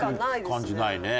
感じないね。